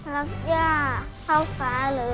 รักยาเข้าคว้าเลย